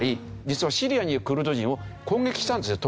実はシリアにいるクルド人を攻撃したんですね